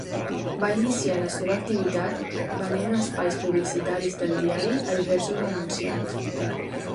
Va iniciar la seva activitat venent espais publicitaris del diari a diversos anunciants.